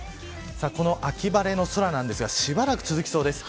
この秋晴れの空なんですがしばらく続きそうです。